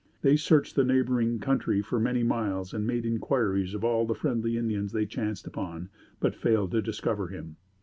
They searched the neighboring country for many miles and made inquiries of all the friendly Indians they chanced upon, but failed to discover him.